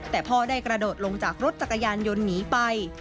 แต่พ่อได้กระโดดลงจากรถจักรยานยนต์หนีไป